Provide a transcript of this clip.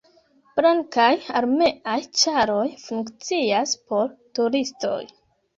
Blankaj armeaj ĉaroj funkcias por turistoj.